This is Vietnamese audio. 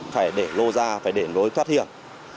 phải để lô ra phải để lối thoát hiểm